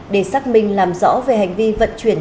để xác minh làm rõ về hành vi vận chuyển